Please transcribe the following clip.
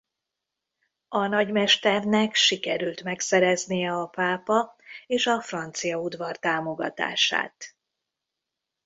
A nagymesternek sikerült megszereznie a pápa és a francia udvar támogatását.